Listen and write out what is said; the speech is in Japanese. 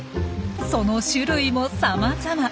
その種類もさまざま。